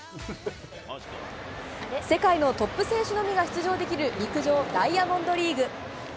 世界のトップ選手のみが出場できる、陸上・ダイヤモンドリーグ。